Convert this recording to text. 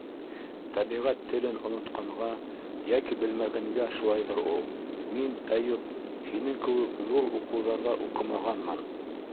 Тәбиғәт телен онотҡанға, йәки белмәгәнгә шулайҙыр ул. Мин, Әйүп, һинең кеүек ҙур уҡыуҙарҙа уҡымағанмын.